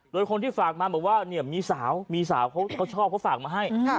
โดยคนที่ฝากมาบอกว่ามีสาวเขาชอบเขาฝากมาให้